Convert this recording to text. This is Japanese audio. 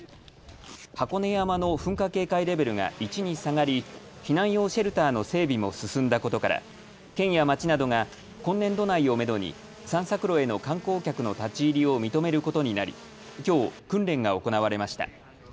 箱根山の噴火警戒レベルが１に下がり避難用シェルターの整備も進んだことから県や町などが今年度内をめどに散策路への観光客の立ち入りを認めることになりきょう、訓練が行われました。